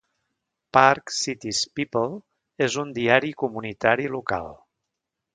"Park Cities People" és un diari comunitari local.